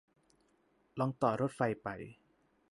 ลองต่อรถไฟไป